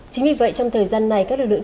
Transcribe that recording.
chính vì vậy trong thời gian này các lực lượng